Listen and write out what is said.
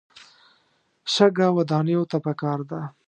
شګه ودانیو ته پکار ده.